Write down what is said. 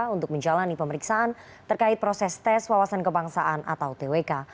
untuk menjalani pemeriksaan terkait proses tes wawasan kebangsaan atau twk